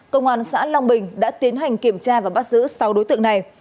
công an xã long bình đã tiến hành kiểm tra và bắt giữ sáu đối tượng này